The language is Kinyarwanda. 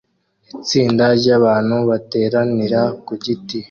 Itsinda ryabantu bateranira ku giti